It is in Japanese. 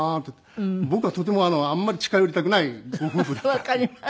僕はとてもあんまり近寄りたくないご夫婦だった。